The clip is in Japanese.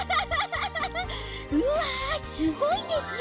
うわすごいですよ